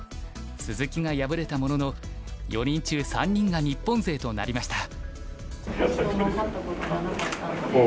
鈴木が敗れたものの４人中３人が日本勢となりました。